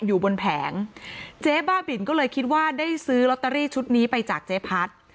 อยู่บนแผงเจ๊บ้าบินก็เลยคิดว่าได้ซื้อลอตเตอรี่ชุดนี้ไปจากเจ๊พัด